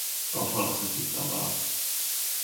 De klarar sig inte utan varandra.